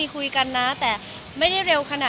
มีปิดฟงปิดไฟแล้วถือเค้กขึ้นมา